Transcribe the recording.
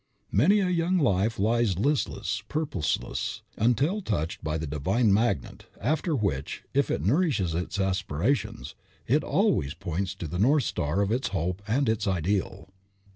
Many a young life lies listless, purposeless, until touched by the Divine magnet, after which, if it nourishes its aspirations, it always points to the north star of its hope and its ideal.